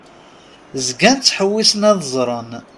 Zgan ttḥewwisen ad ẓren.